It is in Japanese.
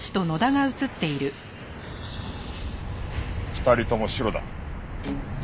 ２人ともシロだ。